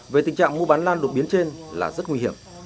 về tình trạng mua bán lan lột biến trên là rất nguy hiểm